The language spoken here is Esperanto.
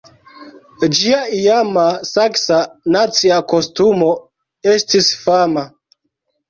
Ĝia iama saksa nacia kostumo estis fama.